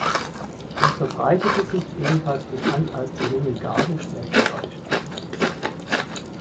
Es verbreitete sich, ebenfalls bekannt als "Die junge Garde", schnell in Deutschland.